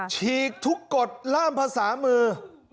ฉีกทุกกฎล่ามภาษามือ